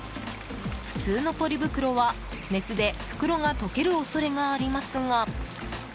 普通のポリ袋は熱で袋が溶ける恐れがありますが。